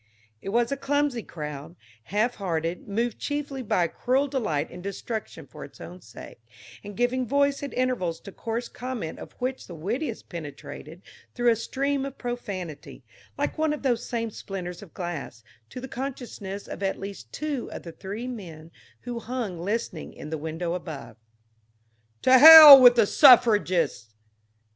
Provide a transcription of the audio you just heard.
It was a clumsy crowd, half hearted, moved chiefly by a cruel delight in destruction for its own sake, and giving voice at intervals to coarse comment of which the wittiest penetrated through a stream of profanity, like one of those same splinters of glass, to the consciousness of at least two of the three men who hung listening in the window above: "To hell with the suffragists!"